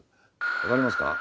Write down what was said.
分かりますか？